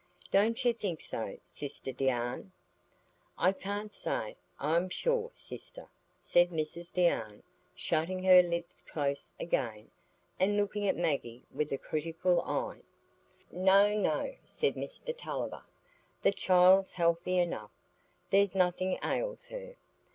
Don't you think so, sister Deane?" "I can't say, I'm sure, sister," said Mrs Deane, shutting her lips close again, and looking at Maggie with a critical eye. "No, no," said Mr Tulliver, "the child's healthy enough; there's nothing ails her.